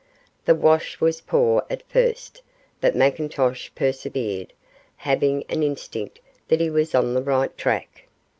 The wash was poor at first, but McIntosh persevered, having an instinct that he was on the right track.